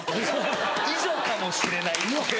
以上かもしれない。